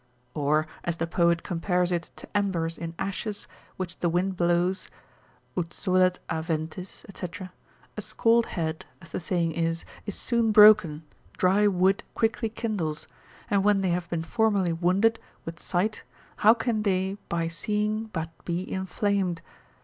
Or, as the poet compares it to embers in ashes, which the wind blows, ut solet a ventis, &c., a scald head (as the saying is) is soon broken, dry wood quickly kindles, and when they have been formerly wounded with sight, how can they by seeing but be inflamed?